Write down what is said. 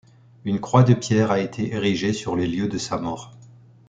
Une croix de pierre a été érigée sur les lieux de sa mort.